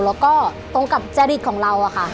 แล้วก็ตรงกับจริตของเราอะค่ะ